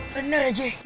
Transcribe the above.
bener ya jay